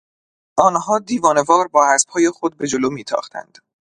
آنها دیوانهوار با اسبهای خود به جلو میتاختند.